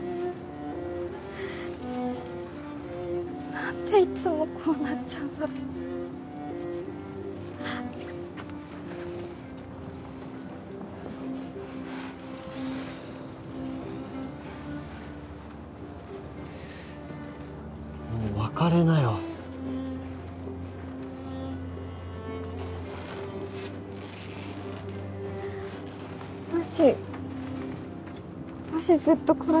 何でいつもこうなっちゃうんだろもう別れなよもしもしずっところ